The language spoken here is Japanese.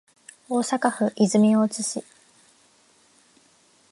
大阪府泉大津市